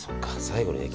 最後にね